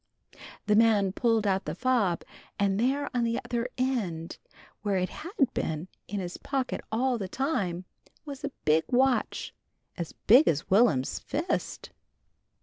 The man pulled out the fob, and there on the other end, where it had been in his pocket all the time, was a big watch, as big as Will'm's fist.